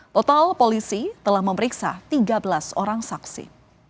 total polisi telah memeriksa tiga belas orang saksi